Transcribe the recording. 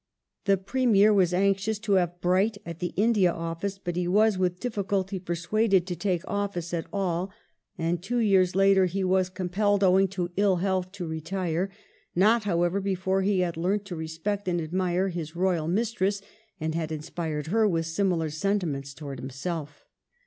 The Premier was anxious to have Bright at the India Office, but he was with difficulty persuaded to take office at all, and two years later he was compelled, owing to ill health, to retire — not, however, before he had learnt to respect and admire his Royal Mistress, and had inspired her with similar sentiments towards himself.